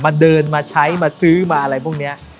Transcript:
เดินมาใช้มาซื้อมาอะไรพวกนี้